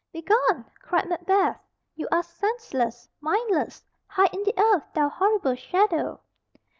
"Begone!" cried Macbeth. "You are senseless, mindless! Hide in the earth, thou horrible shadow."